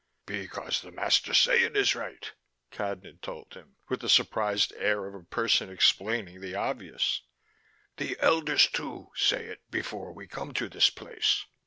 "Because the masters say it is right," Cadnan told him, with the surprised air of a person explaining the obvious. "The elders, too, say it before we come to this place."